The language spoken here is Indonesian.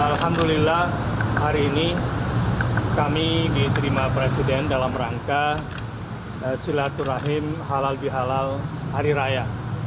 alhamdulillah hari ini kami diterima presiden dalam rangka silaturahim halal bihalal hari raya